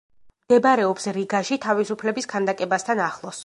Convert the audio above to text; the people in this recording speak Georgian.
მდებარეობს რიგაში, თავისუფლების ქანდაკებასთან ახლოს.